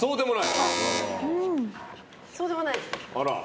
そうでもないですね。